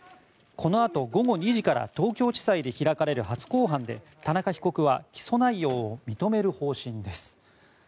このあと午後２時から東京地裁で開かれる初公判で田中被告は起訴内容を認める方針です。